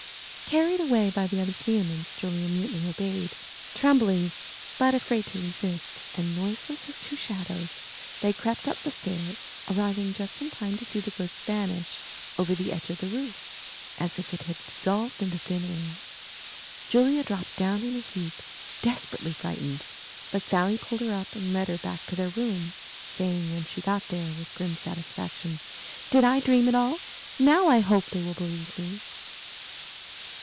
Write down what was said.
Carried away by the other's vehemence Julia mutely obeyed, trembling, but afraid to resist; and noiseless as two shadows, they crept up the stairs, arriving just in time to see the ghost vanish over the edge of the roof, as if it had dissolved into thin air. Julia dropped down in a heap, desperately frightened, but Sally pulled her up and led her back to their room, saying, when she got there, with grim satisfaction, "Did I dream it all? Now I hope they will believe me."